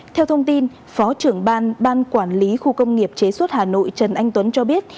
theo thông tin phó trưởng ban ban quản lý khu công nghiệp chế xuất hà nội trần anh tuấn cho biết